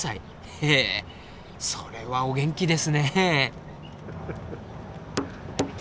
へえそれはお元気ですね！